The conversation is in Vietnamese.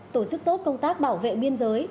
tốt công tác bảo vệ biên giới